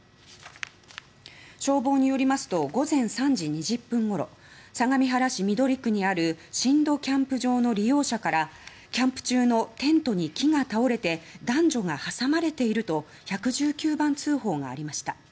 消防によりますと午前３時２０分ごろ相模原市緑区にある新戸キャンプ場の利用者からキャンプ中のテントに木が倒れて男女が挟まれていると１１９番通報がありました。